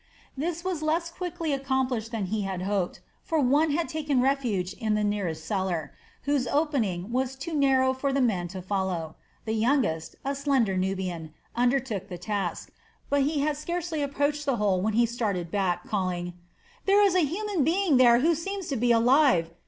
This was less quickly accomplished than he had hoped; for one had taken refuge in the nearest cellar, whose opening was too narrow for the men to follow. The youngest, a slender Nubian, undertook the task; but he had scarcely approached the hole when he started back, calling: "There is a human being there who seems to be alive.